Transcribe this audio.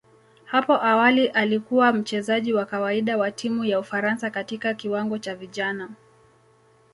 Hapo awali alikuwa mchezaji wa kawaida wa timu ya Ufaransa katika kiwango cha vijana.